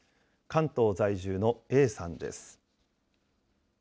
関東在住のＡさんです。